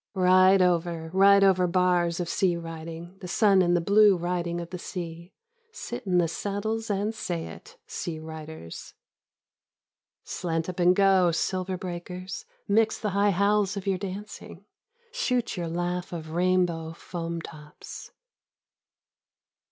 Ride over, ride over bars of sea riding, the sun and the blue riding of the sea — sit in the saddles and say it, sea riders. Slant up and go, silver breakers; mix the high howls of your dancing; shoot your laugh of rainbow foam tops.